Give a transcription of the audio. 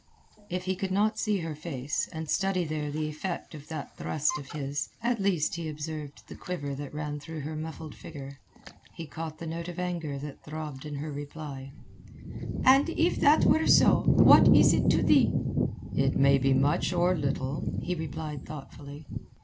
If he could not see her face, and study there the effect of that thrust of his, at least he observed the quiver that ran through her muffled figure, he caught the note of anger that throbbed in her reply—"And if that were so, what is't to thee?" "It may be much or little," he replied thoughtfully.